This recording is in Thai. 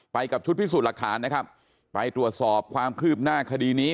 กับชุดพิสูจน์หลักฐานนะครับไปตรวจสอบความคืบหน้าคดีนี้